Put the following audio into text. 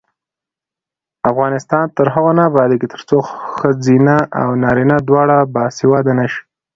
افغانستان تر هغو نه ابادیږي، ترڅو ښځینه او نارینه دواړه باسواده نشي.